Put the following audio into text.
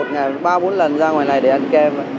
ngày ba bốn lần ra ngoài này để ăn kem